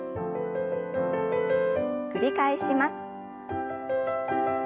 繰り返します。